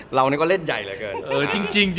เรานี่ก็เล่นใหญ่เลยเกิน